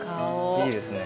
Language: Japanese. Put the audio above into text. いいですね